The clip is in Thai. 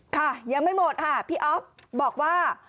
ค่ะยังไม่หมดค่ะพี่อ๊อฟบอกว่า